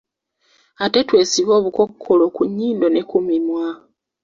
Ate twesibe obukookolo ku nyindo ne ku mimwa.